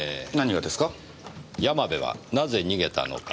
山部はなぜ逃げたのか？